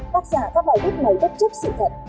phát ra các bài bức mầy bất chấp sự thật